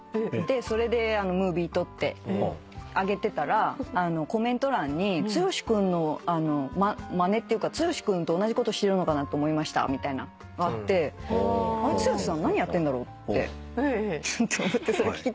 それでムービー撮って上げてたらコメント欄に剛君のまねっていうか「剛君と同じことしてるのかなと思いました」みたいなのがあって剛さん何やってんだろうって思ってそれ聞きたいなと思って今日。